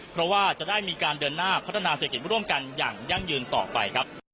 เพราะว่าจะได้มีการเดินหน้าพัฒนาเศรษฐกิจร่วมกันอย่างยั่งยืนต่อไปครับ